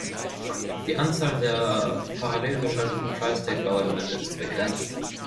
Die Anzahl der parallel geschalteten Tri‑State-Bauelemente ist begrenzt.